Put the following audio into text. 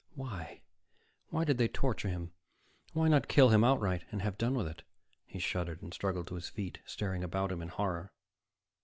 Why? Why did they torture him? Why not kill him outright, have done with it? He shuddered, and struggled to his feet, staring about him in horror.